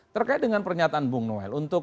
terkait dengan pernyataan bung noel untuk